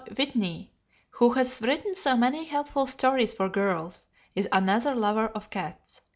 D.T. Whitney, who has written so many helpful stories for girls, is another lover of cats.